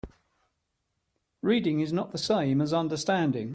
Reading is not the same as understanding.